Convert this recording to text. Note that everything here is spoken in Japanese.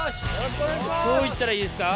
どう行ったらいいですか？